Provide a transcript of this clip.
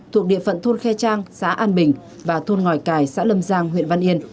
thuộc địa phận thôn khe trang xã an bình và thôn ngòi cài xã lâm giang huyện văn yên